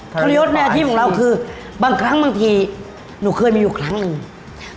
ทรยศในอาชีพของเราคือบางครั้งบางทีหนูเคยมีอยู่ครั้งหนึ่ง